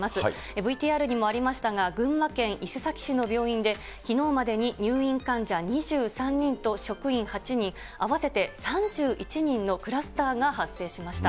ＶＴＲにもありましたが、群馬県伊勢崎市の病院で、きのうまでに入院患者２３人と職員８人、合わせて３１人のクラスターが発生しました。